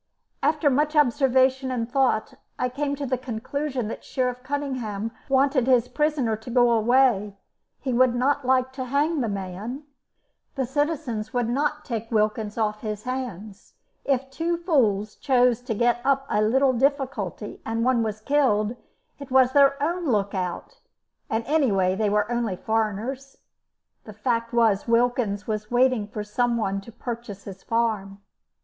After much observation and thought I came to the conclusion that Sheriff Cunningham wanted his prisoner to go away; he would not like to hang the man; the citizens would not take Wilkins off his hands; if two fools chose to get up a little difficulty and one was killed, it was their own look out; and anyway they were only foreigners. The fact was Wilkins was waiting for someone to purchase his farm.